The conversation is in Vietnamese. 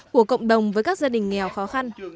của cộng đồng với các gia đình nghèo khó khăn